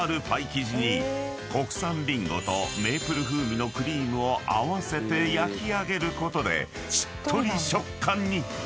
［国産リンゴとメープル風味のクリームを合わせて焼き上げることで］